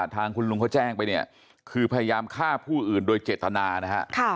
ทางคุณลุงเขาแจ้งไปเนี่ยคือพยายามฆ่าผู้อื่นโดยเจตนานะฮะ